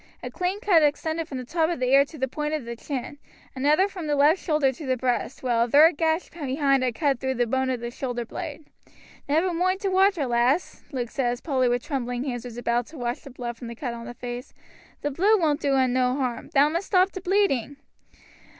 A clean cut extended from the top of the ear to the point of the chin, another from the left shoulder to the breast, while a third gash behind had cut through to the bone of the shoulder blade. "Never moind t' water, lass," Luke said as Polly with trembling hands was about to wash the blood from the cut on the face, "the bluid won't do un no harm thou must stop t' bleeding."